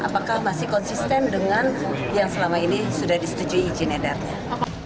apakah masih konsisten dengan yang selama ini sudah disetujui izin edarnya